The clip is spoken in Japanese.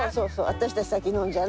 私たち先飲んじゃね。